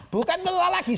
bukan lelah lagi